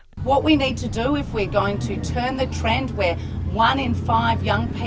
apa yang harus kita lakukan jika kita akan mengembangkan trend di mana satu dari lima orang muda